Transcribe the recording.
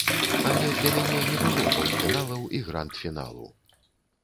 Але для мяне не было паўфіналаў і гранд-фіналу.